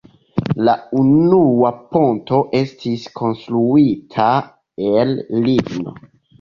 La unua ponto estis konstruita el ligno.